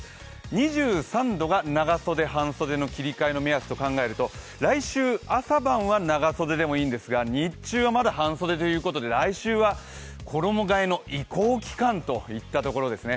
２３度が長袖・半袖の切り替えの目安と考えると来週、朝晩は長袖でもいいんですが日中はまだ半袖ということで来週は衣がえの移行期間といったところですね。